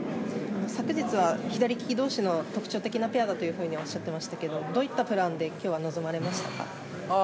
昨日は左利き同士の特徴的なペアだとおっしゃっていましたけどどういったプランで今日は臨まれましたか？